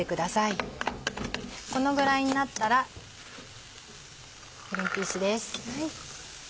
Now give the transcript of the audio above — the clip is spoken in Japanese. このぐらいになったらグリンピースです。